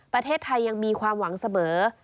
ประเทศไทยยังมีความหวังเสมอ